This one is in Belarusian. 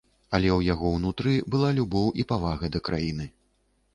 Але ў яго ўнутры была любоў і павага да краіны.